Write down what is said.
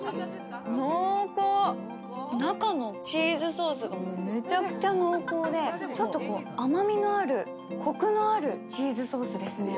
中のチーズソースがめちゃくちゃ濃厚で、ちょっと甘みのあるコクのあるチーズソースですね。